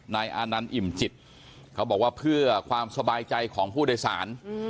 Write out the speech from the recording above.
นายอานันต์อิ่มจิตเขาบอกว่าเพื่อความสบายใจของผู้โดยสาร